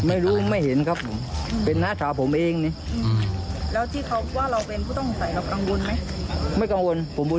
ไม่ได้ไปไหนอยู่